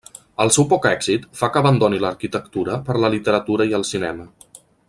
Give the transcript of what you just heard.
El seu poc èxit fa que abandoni l'arquitectura per la literatura i el cinema.